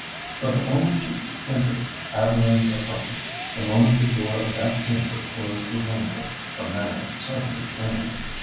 But the moment she entered Adeline's apartment—the moment the door of that chamber closed behind her—her manner suddenly changed.